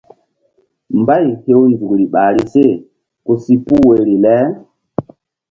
Mbay hew nzukri ɓahri se ku si puh woyri le.